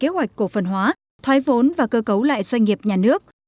kế hoạch cổ phần hóa thoái vốn và cơ cấu lại doanh nghiệp nhà nước